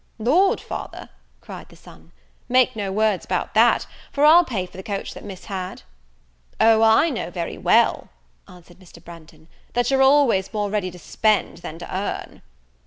"Lord, father," cried the son, "make no words about that; for I'll pay for the coach that Miss had." "O, I know very well," answered Mr. Branghton, "that you're always more ready to spend than to earn."